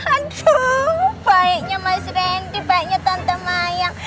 aduh baiknya mas randy baiknya tante mayang